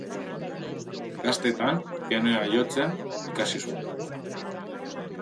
Gaztetan pianoa jotzen ikasi zuen.